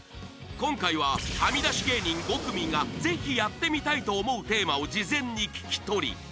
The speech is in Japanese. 今回ははみ出し芸人５組がぜひやってみたいと思うテーマを事前に聞き取り